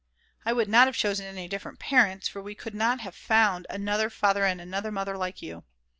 "I would not have chosen any different parents, for we could not have found another Father and another Mother like you."